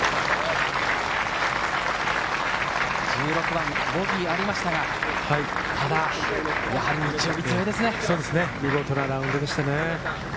１６番ボギーがありましたが、見事なラウンドでしたね。